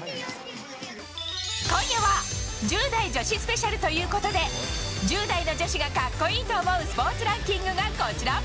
今夜は１０代女子スペシャルということで１０代の女子が格好いいと思うスポーツランキングがこちら。